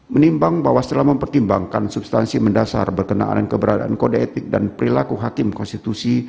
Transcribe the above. menimbang bahwa setelah mempertimbangkan substansi mendasar berkenaan keberadaan kode etik dan perilaku hakim konstitusi